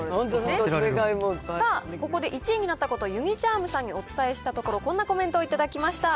ここで１位になったことを、ユニ・チャームさんにお伝えしたところ、こんなコメントを頂きました。